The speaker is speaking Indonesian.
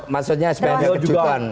maksudnya spn kekejukan